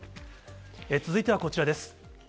続いてはこちらです。